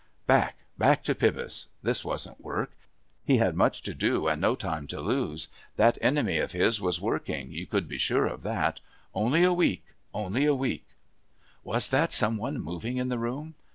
Back, back to Pybus. This wasn't work. He had much to do and no time to lose. That enemy of his was working, you could be sure of that. Only a week! Only a week! Was that some one moving in the room?